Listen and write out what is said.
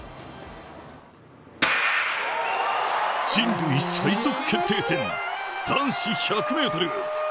人類最速決定戦、男子１００ｍ。